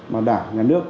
mà đảm nhà nước